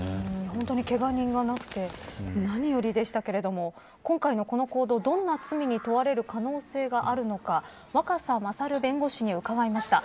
本当にけが人がなくて何よりでしたけれども今回のこの行動どんな罪に問われる可能性があるのか若狭勝弁護士に伺いました。